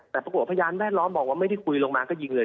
แต่ปรากฏพยานแวดล้อมบอกว่าไม่ได้คุยลงมาก็ยิงเลย